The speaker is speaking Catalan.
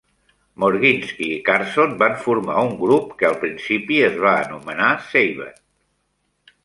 Morginsky i Carson van formar un grup que al principi es va anomenar Saved.